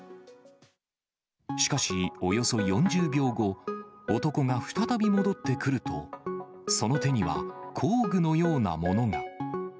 しかし、およそ４０秒後、男が再び戻ってくると、その手には工具のようなものが。